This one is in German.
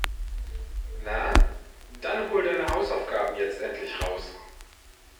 Na, dann hol deine Hausaufgaben jetzt endlich raus.